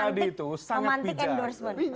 jadi itu yang memantik endorsement